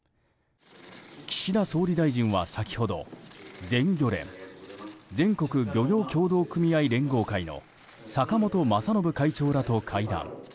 岸田総理大臣は先ほど全漁連・全国漁業協同組合連合会の坂本雅信会長らと会談。